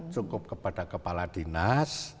cukup kepada kepala dinas